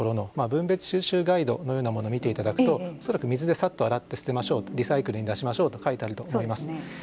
分別収集ガイドのようなもの見ていただくと恐らく「水でさっと洗って捨てましょうリサイクルに出しましょう」と書いてあると思います。